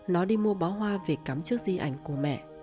nó đi mua bó hoa về cắm chiếc di ảnh của mẹ